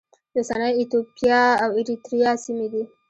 د اوسنۍ ایتوپیا او اریتریا سیمې دي.